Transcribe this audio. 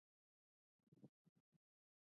د وربشو دانه د تودوخې لپاره وکاروئ